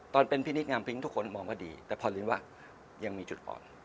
ตอนเป็นพินิศงามพิ้งทุกคนมองก็ดีแต่พอลิ้นว่ายังมีจุดอ่อน